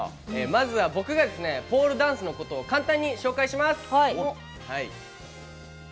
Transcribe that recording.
まずは僕がポールダンスのことを簡単に紹介します。